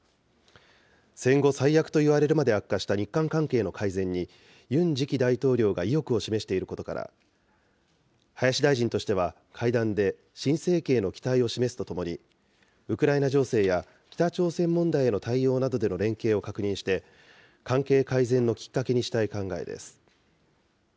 戦後最悪といわれるまで悪化した日韓関係の改善にユン次期大統領が意欲を示していることから、林大臣としては会談で、新政権への期待を示すとともに、ウクライナ情勢や北朝鮮問題への対応などでの連携を確認して、関係改善のきっかけにしたい考えです。